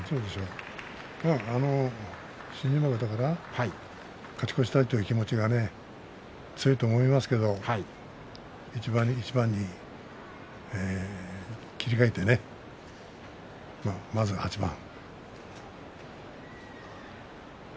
まあ、新入幕だから勝ち越したいという気持ちが強いと思いますけれども一番一番に切り替えてまずは８番。